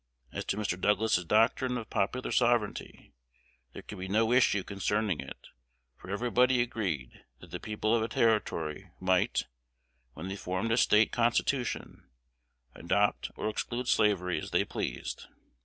As to Mr. Douglas's doctrine of popular sovereignty, there could be no issue concerning it; for everybody agreed that the people of a Territory might, when they formed a State constitution, adopt or exclude slavery as they pleased.